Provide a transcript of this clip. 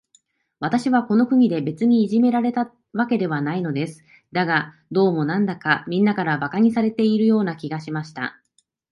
私はこの国で、別にいじめられたわけではないのです。だが、どうも、なんだか、みんなから馬鹿にされているような気がしました。